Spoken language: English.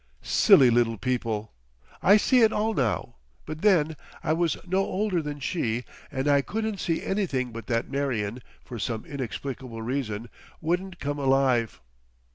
Silly little people! I see it all now, but then I was no older than she and I couldn't see anything but that Marion, for some inexplicable reason, wouldn't come alive.